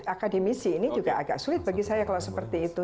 akademisi ini juga agak sulit bagi saya kalau seperti itu